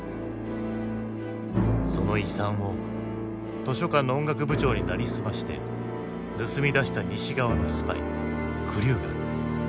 その遺産を図書館の音楽部長に成り済まして盗み出した西側のスパイクリューガ。